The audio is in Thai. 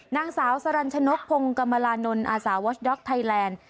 นางสาวสารัญชนกพงศ์กำลานนท์อาสาววอชด๊อกไทยแลนด์